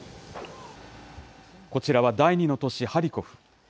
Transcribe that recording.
こちらは第２の都市ハリコフ。